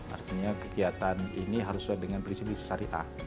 artinya kegiatan ini harus sesuai dengan prinsip prinsip syariah